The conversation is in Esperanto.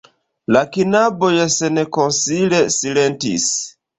La knaboj senkonsile silentis.